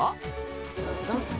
どうぞ。